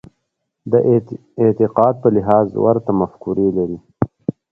د اعتقاد په لحاظ ورته مفکورې لري.